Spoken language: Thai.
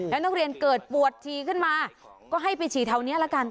แล้วนักเรียนเกิดปวดฉี่ขึ้นมาก็ให้ไปฉี่แถวนี้ละกัน